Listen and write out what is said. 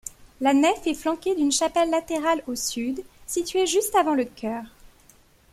La nef est flanquée d'une chapelle latérale au sud, située juste avant le chœur.